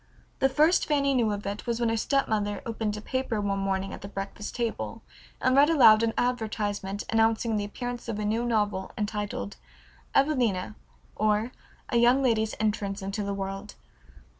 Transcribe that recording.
The first Fanny knew of it was when her stepmother opened a paper one morning at the breakfast table and read aloud an advertisement announcing the appearance of a new novel entitled "Evelina; or, A Young Lady's Entrance into the World."